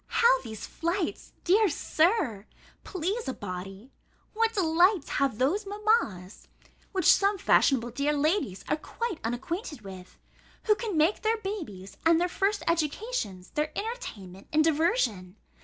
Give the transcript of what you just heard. How these flights, dear Sir, please a body! What delights have those mammas (which some fashionable dear ladies are quite unacquainted with) who can make their babies, and their first educations, their entertainment and diversion!